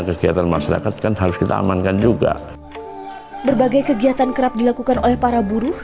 kegiatan masyarakat kan harus kita amankan juga berbagai kegiatan kerap dilakukan oleh para buruh